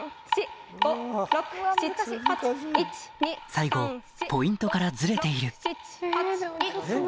最後ポイントからズレているイチ。